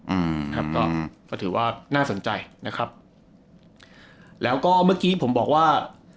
อืมครับก็ก็ถือว่าน่าสนใจนะครับแล้วก็เมื่อกี้ผมบอกว่า